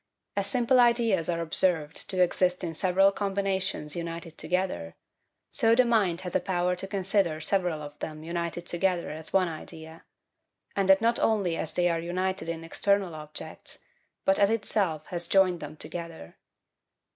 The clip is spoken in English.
As simple ideas are observed to exist in several combinations united together, so the mind has a power to consider several of them united together as one idea; and that not only as they are united in external objects, but as itself has joined them together.